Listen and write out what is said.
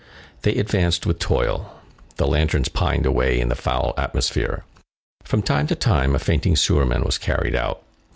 They advanced with toil. The lanterns pined away in the foul atmosphere. From time to time, a fainting sewerman was carried out.